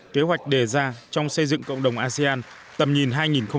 kế hoạch đề ra trong xây dựng cộng đồng asean tầm nhìn hai nghìn hai mươi năm